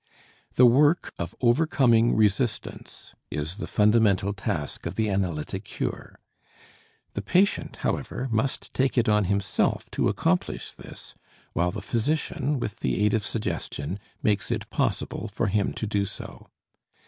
The work of overcoming resistance is the fundamental task of the analytic cure. The patient, however, must take it on himself to accomplish this, while the physician, with the aid of suggestion, makes it possible for him to do so.